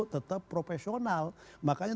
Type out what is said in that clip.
tetap profesional makanya